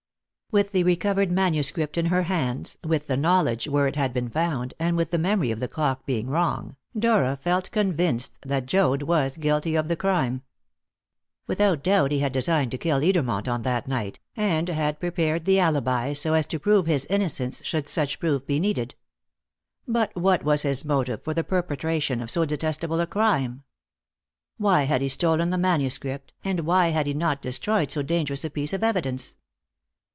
With the recovered manuscript in her hands, with the knowledge where it had been found, and with the memory of the clock being wrong, Dora felt convinced that Joad was guilty of the crime. Without doubt he had designed to kill Edermont on that night, and had prepared the alibi so as to prove his innocence should such proof be needed. But what was his motive for the perpetration of so detestable a crime? Why had he stolen the manuscript, and why had he not destroyed so dangerous a piece of evidence?